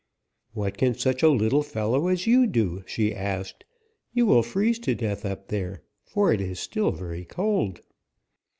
'What can such a little fellow as you do?' she asked. 'You will freeze to death up there, for it is still very cold.'